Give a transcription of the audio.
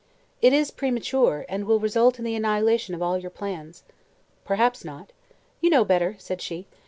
"It is premature, and will result in the annihilation of all your plans." "Perhaps not." "You know better," said she.